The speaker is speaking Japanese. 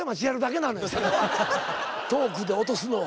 トークで落とすのは。